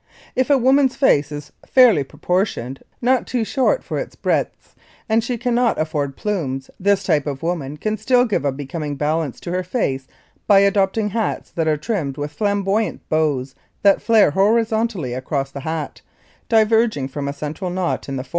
If a woman's face is fairly proportioned, not too short for its breadth, and she can not afford plumes, this type of woman can still give a becoming balance to her face by adopting hats that are trimmed with flamboyant bows that flare horizontally across the hat, diverging from a central knot in the from.